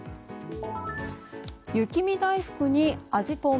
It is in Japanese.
雪見だいふくに、味ぽん。